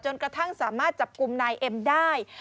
กระทั่งสามารถจับกลุ่มนายเอ็มได้